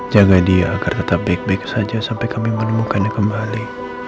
jaga dia agar tetap baik baik saja sampai kami menemukannya kembali